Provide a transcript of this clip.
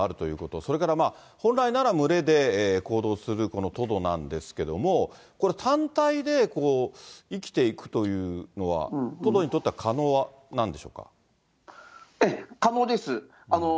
それから本来なら群れで行動するこのトドなんですけれども、これ、単体で生きていくというのは、トドにとっては可能なんでしょうか。